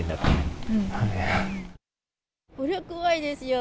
そりゃ怖いですよ。